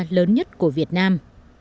lớn nhất của việt nam